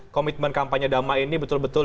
komitmen kampanye damai ini betul betul